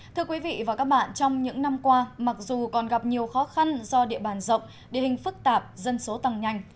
thưa quý vị và các bạn trong những năm qua mặc dù còn gặp nhiều khó khăn do địa bàn rộng địa hình phức tạp dân số tăng nhanh